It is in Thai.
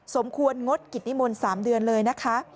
สมควรงดกิจนิมนต์๓เดือนเลยนะคะ